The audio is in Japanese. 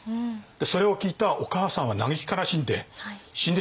それを聞いたお母さんは嘆き悲しんで死んでしまったっていう。